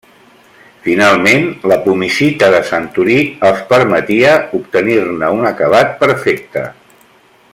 Finalment, la pumicita de Santorí els permetia obtenir-ne un acabat perfecte.